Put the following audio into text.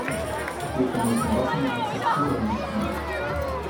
Die deponierten Waffen existieren nicht mehr.